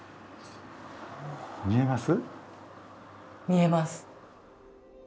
みえます？